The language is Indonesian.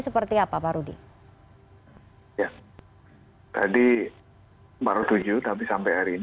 sekarang encourage terima kasih